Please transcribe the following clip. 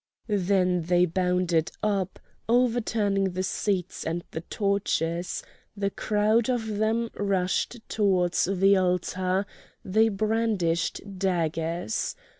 Then they bounded up, overturning the seats and the torches: the crowd of them rushed towards the altar; they brandished daggers.